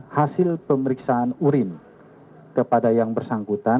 hasil pemeriksaan urin kepada yang bersangkutan